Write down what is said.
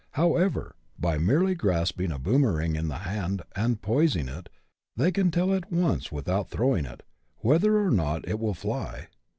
However, by merely grasping a boomering in the hand, and poizing it, they can tell at once, without throwing it, whether or not it will fly.